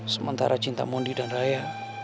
sementara cinta mondi dan raya